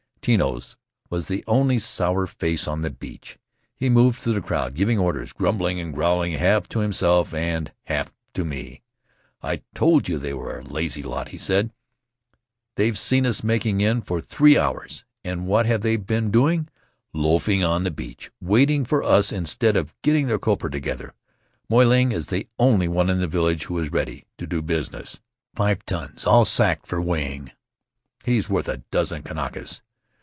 Tino's was the only sour face on the beach. He moved through the crowd, giving orders, grumbling and growling half to himself and half to me. "I told you they were a lazy lot," he said. "They've seen us making in for three hours, and what have they been doing? Loafing on the beach, waiting for us instead of getting their copra together! Moy Ling is the only one in the village who is ready to do business. Five tons all sacked for weighing. He's worth a dozen Kanakas.